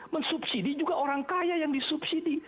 mensubsidi juga orang kaya yang disubsidi